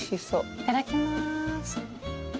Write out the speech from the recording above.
いただきます。